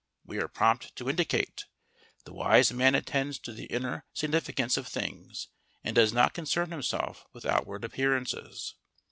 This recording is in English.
we are prompt to indicate: _The wise man attends to the inner significance of things and does not concern himself with outward appearances.